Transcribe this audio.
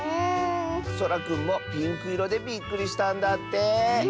そらくんもピンクいろでびっくりしたんだって。